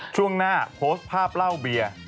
ช่วงหน้าโพสต์ภาพเหล้าเบียร์